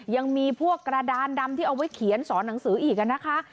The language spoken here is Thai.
ยังมีพวกกระดานดำที่เอาไว้เขียนสอนหนังสืออีกนะคะ